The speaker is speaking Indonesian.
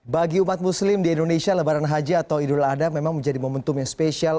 bagi umat muslim di indonesia lebaran haji atau idul adha memang menjadi momentum yang spesial